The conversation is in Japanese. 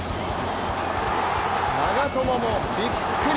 長友もびっくり！